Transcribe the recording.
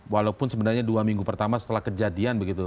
walaupun sebenarnya dua minggu pertama setelah kejadian begitu